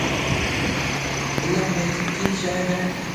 علم هيَڪ سُٺِي شئي هيَ۔